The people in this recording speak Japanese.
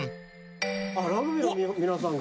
あっラグビーの皆さんが。